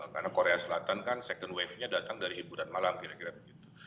karena korea selatan kan second wave nya datang dari hiburan malam kira kira begitu